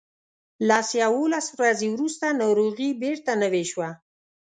لس یوولس ورځې وروسته ناروغي بیرته نوې شوه.